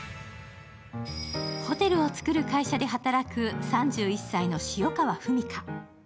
ホテルを作る会社で働く３１歳の塩川文香。